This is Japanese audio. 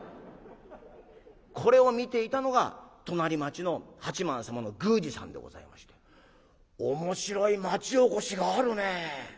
これを見ていたのが隣町の八幡様の宮司さんでございまして「面白い町おこしがあるね。